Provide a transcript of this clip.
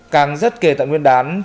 càng rất kề tận nguyên đán